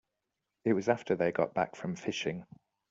It was after they got back from fishing.